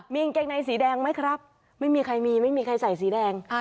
มีกางเกงในสีแดงไหมครับไม่มีใครมีไม่มีใครใส่สีแดง